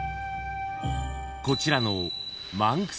［こちらの］